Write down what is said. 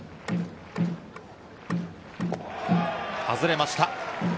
外れました。